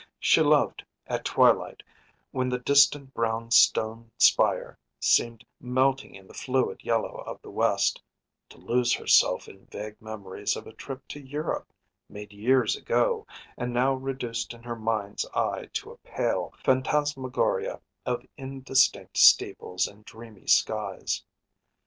She loved, at twilight, when the distant brown stone spire seemed melting in the fluid yellow of the west, to lose herself in vague memories of a trip to Europe, made years ago, and now reduced in her mind’s eye to a pale phantasmagoria of indistinct steeples and dreamy skies.